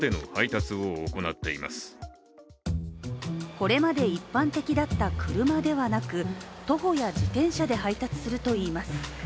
これまで一般的だった車ではなく徒歩や自転車で配達するといいます。